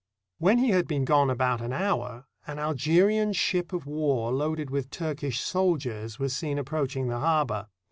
When he had been gone about an hour, an Algerian ship of war loaded with Turkish soldiers was seen ap proaching the harbor.